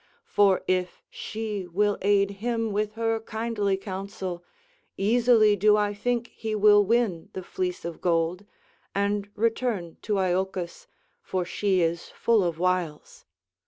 For if she will aid him with her kindly counsel, easily do I think he will win the fleece of gold and return to Iolcus, for she is full of wiles."